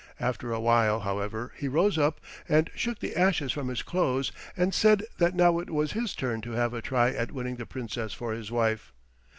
After a while, however, he rose up and shook the ashes from his clothes and said that now it was his turn to have a try at winning the Princess for his wife.